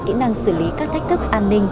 kỹ năng xử lý các thách thức an ninh